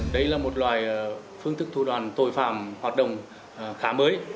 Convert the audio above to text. đấy là một loài phương thức thủ đoàn tội phạm hoạt động khá mới